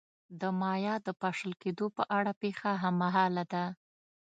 د مایا د پاشل کېدو په اړه پېښه هممهاله ده.